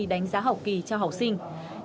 đánh giá học kỳ cho học sinh